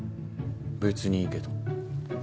別にいいけど。